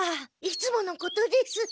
いつものことです。